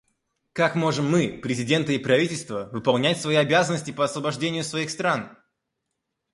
Как можем мы, президенты и правительства, выполнять свои обязанности по освобождению своих стран?